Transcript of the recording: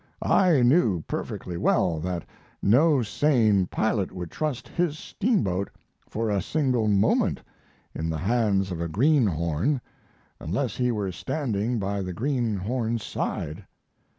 I knew perfectly well that no sane pilot would trust his steamboat for a single moment in the hands of a greenhorn unless he were standing by the greenhorn's side.